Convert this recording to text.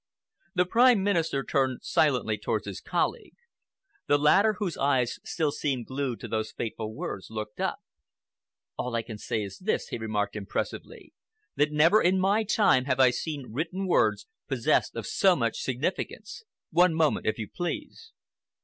The Prime Minister turned silently towards his colleague. The latter, whose eyes still seemed glued to those fateful words, looked up. "All I can say is this," he remarked impressively, "that never in my time have I seen written words possessed of so much significance. One moment, if you please."